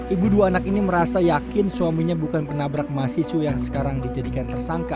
ibu dua anak ini merasa yakin suaminya bukan penabrak mahasiswa yang sekarang dijadikan tersangka